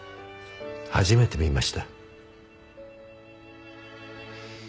初めて見ました。